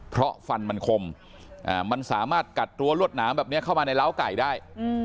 เพราะฟันมันคมมันสามารถกัดรั้วรวดหนามแบบนี้เข้ามาในร้าวไก่ได้